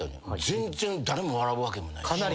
全然誰も笑うわけもないし今の何？